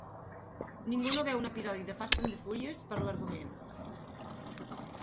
Ningú no veu un episodi de Fast and the Furious per l'argument.